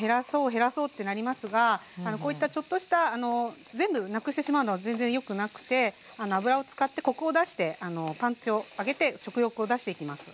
減らそうってなりますがこういったちょっとした全部なくしてしまうのは全然よくなくて油を使ってコクを出してパンチを上げて食欲を出していきます。